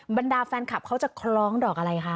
บรรดาแฟนคลับเขาจะคล้องดอกอะไรคะ